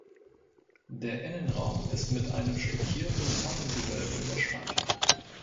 Der Innenraum ist mit einem stuckierten Tonnengewölbe überspannt.